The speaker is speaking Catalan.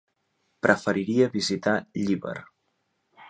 Preferiria visitar Llíber.